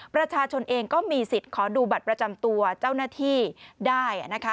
ประชาชนเองก็มีสิทธิ์ขอดูบัตรประจำตัวเจ้าหน้าที่ได้นะคะ